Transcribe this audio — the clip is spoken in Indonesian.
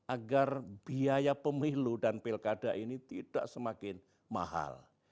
agar biaya pemilu dan pilkada ini tidak semakin mahal